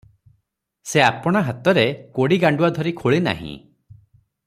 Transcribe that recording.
ସେ ଆପଣା ହାତରେ କୋଡ଼ି ଗାଣ୍ତୁଆ ଧରି ଖୋଳିନାହିଁ ।